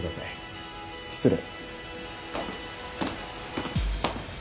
失礼。